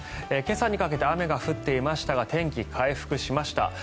今朝にかけて雨が降っていましたが天気回復しました。